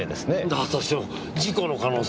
だとしても事故の可能性は。